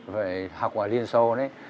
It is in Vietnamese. về học ở liên xô đấy